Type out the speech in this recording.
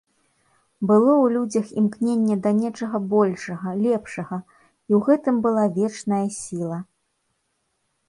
Было ў людзях імкненне да нечага большага, лепшага, і ў гэтым была вечная сіла.